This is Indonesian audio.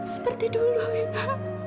seperti dulu ina